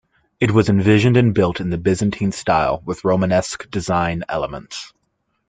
It was envisioned and built in the Byzantine style, with Romanesque design elements.